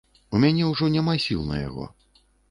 У мяне ўжо няма сіл на яго.